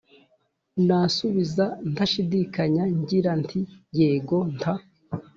nasubiza ntashidikanya ngira nti yego! nta